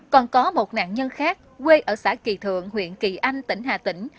còn có một nạn nhân khác quê ở xã kỳ thượng huyện kỳ anh tỉnh hà tĩnh